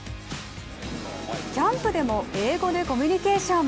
キャンプでも英語でコミュニケーション。